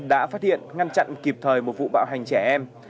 đã phát hiện ngăn chặn kịp thời một vụ bạo hành trẻ em